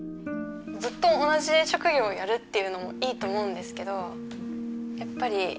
ずっと同じ職業をやるっていうのもいいと思うんですけどやっぱり。